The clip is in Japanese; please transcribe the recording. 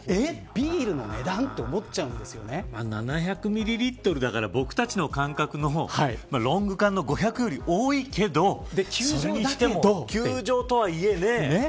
７００ミリリットルだから僕たちの感覚のロング缶の５００より多いけどそれにしても球場とはいえね。